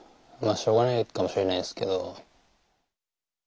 しょうがないかもしれないですけど。